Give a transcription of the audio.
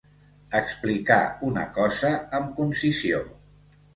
Explicar una cosa amb concisió.